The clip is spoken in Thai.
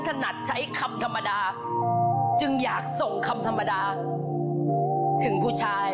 ของท่านได้เสด็จเข้ามาอยู่ในความทรงจำของคน๖๗๐ล้านคนค่ะทุกท่าน